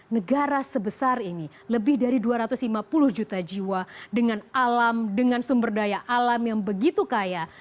negara sebesar ini lebih dari dua ratus lima puluh juta jiwa dengan alam dengan sumber daya alam yang begitu kaya